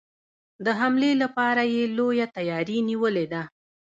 د حملې لپاره یې لويه تیاري نیولې ده.